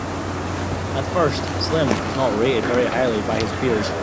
At first Slim was not rated very highly by his peers.